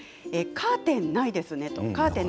カーテンがないんですね。